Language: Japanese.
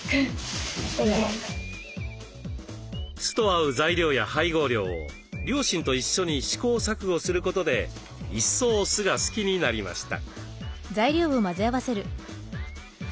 酢と合う材料や配合量を両親と一緒に試行錯誤することで一層酢が好きになりました。